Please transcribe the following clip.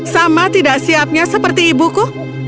sama tidak siapnya seperti ibuku